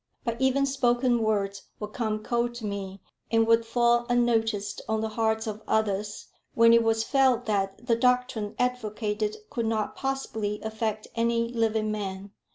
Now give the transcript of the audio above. But even spoken words would come cold to me, and would fall unnoticed on the hearts of others, when it was felt that the doctrine advocated could not possibly affect any living man.